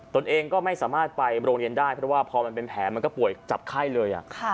ตัวเองก็ไม่สามารถไปโรงเรียนได้เพราะว่าพอมันเป็นแผลมันก็ป่วยจับไข้เลย